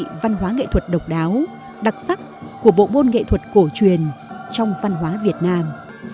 các văn hóa nghệ thuật độc đáo đặc sắc của bộ môn nghệ thuật cổ truyền trong văn hóa việt nam